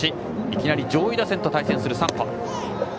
いきなり上位打線と対戦する山保。